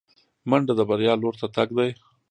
منډه د بریا لور ته تګ دی